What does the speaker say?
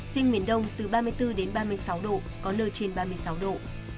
sinh miền đông từ ba mươi bốn ba mươi sáu độ có nơi trên ba mươi sáu độ